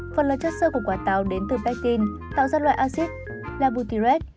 phần lợi chất sơ của quả táo đến từ pectin tạo ra loại acid là butyric